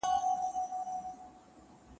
تربور ګاونډ راپرځولی خپل پرچم راواخله